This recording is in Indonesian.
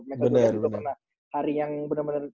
mereka juga juga pernah hari yang bener bener